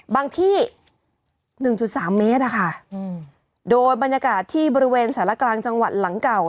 ที่หนึ่งจุดสามเมตรอะค่ะโดยบรรยากาศที่บริเวณสารกลางจังหวัดหลังเก่า